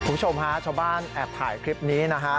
คุณผู้ชมฮะชาวบ้านแอบถ่ายคลิปนี้นะฮะ